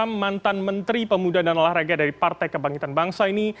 pertama mantan menteri pemuda dan olahraga dari partai kebangkitan bangsa ini